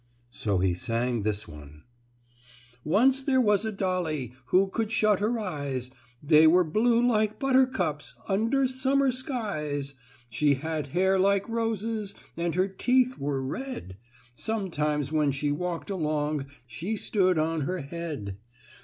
So he sang this one: "Once there was a dollie, Who could shut her eyes, They were blue like buttercups, Under summer skies. She had hair like roses, And her teeth were red, Sometimes when she walked along She stood on her head.